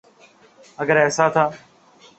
اگر ایسا تھا۔